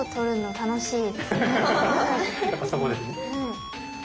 はい。